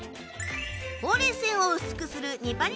ほうれい線を薄くする。